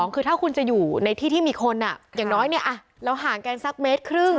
คือถ้าคุณจะอยู่ในที่ที่มีคนอย่างน้อยเราห่างกันสักเมตรครึ่ง